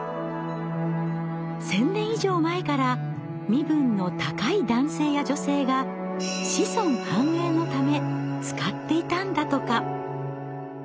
１，０００年以上前から身分の高い男性や女性が子孫繁栄のため使っていたんだとか。